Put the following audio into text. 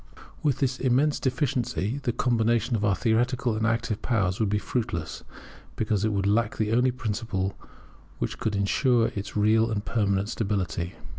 With this immense deficiency the combination of our theoretical and active powers would be fruitless, because it would lack the only principle which could ensure its real and permanent stability.